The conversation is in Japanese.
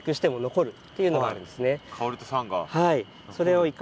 はい。